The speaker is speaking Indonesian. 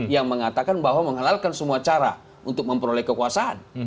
yang mengatakan bahwa menghalalkan semua cara untuk memperoleh kekuasaan